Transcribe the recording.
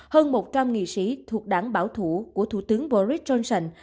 hơn một trăm linh nghị sĩ thuộc đảng bảo thủ của thủ tướng boris johnson